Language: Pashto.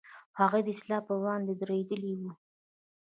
هغوی د اصلاح پر وړاندې درېدلي و.